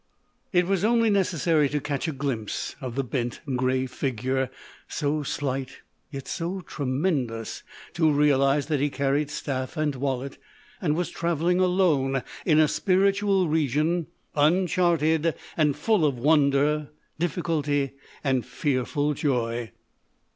It was only necessary to catch a glimpse of the bent grey figure, so slight yet so tremendous, to realise that he carried staff and wallet, and was travelling alone in a spiritual region, uncharted, and full of wonder, difficulty, and fearful joy.